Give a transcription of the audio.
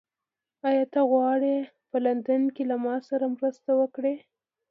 ایا ته غواړې چې په لندن کې له ما سره مرسته وکړې؟